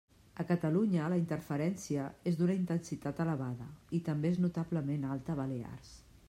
A Catalunya, la interferència és d'una intensitat elevada i també és notablement alta a Balears.